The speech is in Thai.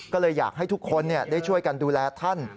ก็เลยอยากให้ทุกคนได้ช่วยกันดูแลท่าน